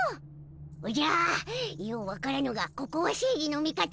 おじゃよう分からぬがここは正義の味方